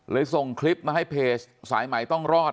ส่งคลิปมาให้เพจสายใหม่ต้องรอด